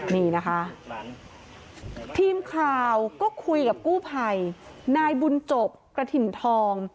นี่นะคะทีมข่าวก็คุยกับกู้ภัยนายบุญจบกระถิ่นทอง